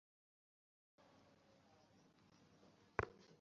সেই আইরিশদের বিপক্ষেই কাল ওয়েস্ট ইন্ডিজের হয়ে খেলেছেন তাঁর ভাইপো লেন্ডল সিমন্স।